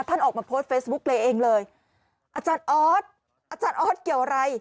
ออกมาโพสต์เฟซบุ๊กเลยเองเลยอาจารย์ออสอาจารย์ออสเกี่ยวอะไร